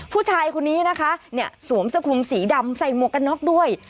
ผู้ชายคนนี้นะคะสวมสะขุมสีดำใส่หมวกกันน็อคด้วย